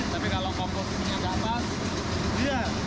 tapi kalau komposnya gak pas